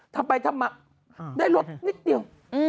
ทำไปทำมาได้รถนิดเดียว